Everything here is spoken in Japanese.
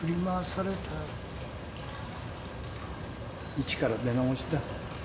一から出直しだ。